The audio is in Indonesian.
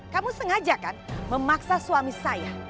kamu sengaja kan memaksa suami saya